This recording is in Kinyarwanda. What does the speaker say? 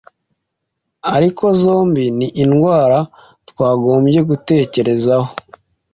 ariko zombi ni indwara twagombye gutekerezaho